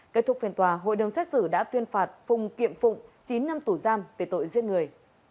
kết thúc phiên tòa hội đồng xét xử đã tuyên phạt phùng kiệm phụng chín năm tù giam về tội giết người